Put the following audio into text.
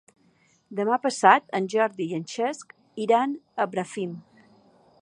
Demà passat en Jordi i en Cesc iran a Bràfim.